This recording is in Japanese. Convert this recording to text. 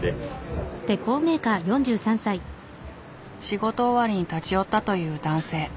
仕事終わりに立ち寄ったという男性。